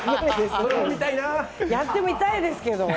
やってみたいですけど。